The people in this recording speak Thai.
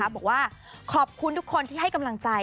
บอกว่าขอบคุณทุกคนที่ให้กำลังใจ